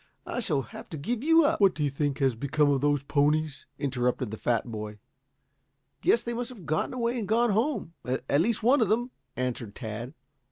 I shall have to give you up " "What do you think has become of those ponies?" interrupted the fat boy. "Guess they must have gotten away and gone home at least one of them," answered Tad.